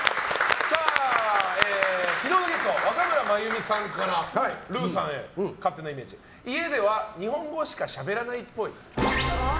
昨日のゲスト若村麻由美さんからルーさんへ勝手なイメージ家では日本語しかしゃべらないっぽい。